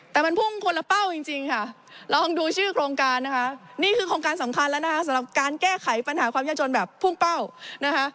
แต่มันพุ่งคนละเป้าจริงค่ะลองดูชื่อโครงการนะคะนี่คือโครงการสำคัญแล้วนะคะสำหรับการแก้ไขปัญหาความยากจนแบบพุ่งเป้านะคะ